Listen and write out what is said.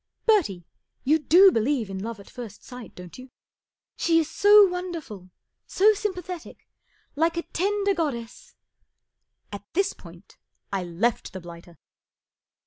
Bertie, you do believe in love at first sight, don't you ? She is so wonderful, s o sympa¬ thetic. Like a tender god¬ dess " At this point I left the blighter.